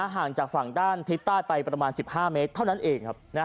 ห่างจากฝั่งด้านทิศใต้ไปประมาณ๑๕เมตรเท่านั้นเองครับ